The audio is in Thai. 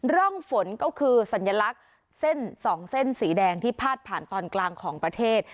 ร่องฝนก็คือสัญลักษณ์เส้น๒เส้นสีแดงที่พาดผ่านตอนกลางของประเทศ